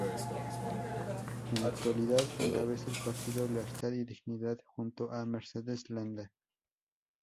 En la actualidad encabeza el partido "Lealtad y Dignidad", junto a Mercedes Landa.